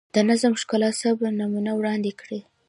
د نظم، ښکلا، صبر نمونه وړاندې کړي.